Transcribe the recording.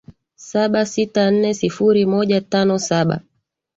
saba sita nne sifuri moja tano saba